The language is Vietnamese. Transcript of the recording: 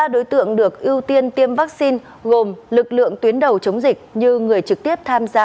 ba đối tượng được ưu tiên tiêm vaccine gồm lực lượng tuyến đầu chống dịch như người trực tiếp tham gia